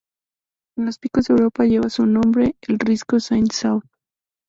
En los Picos de Europa, lleva su nombre el Risco Saint Saud.